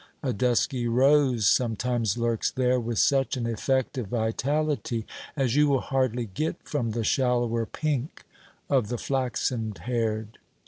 A dusky rose sometimes lurks there with such an effect of vitality as you will hardly get from the shallower pink of the flaxened haired.